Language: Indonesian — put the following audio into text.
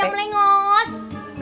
oh yang lengos